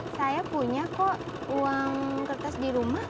saya punya kok uang kertas di rumah